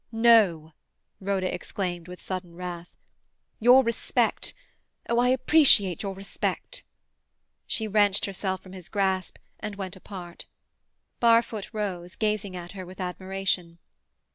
"No!" Rhoda exclaimed with sudden wrath. "Your respect—oh, I appreciate your respect!" She wrenched herself from his grasp, and went apart. Barfoot rose, gazing at her with admiration.